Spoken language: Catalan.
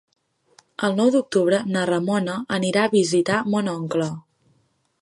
El nou d'octubre na Ramona anirà a visitar mon oncle.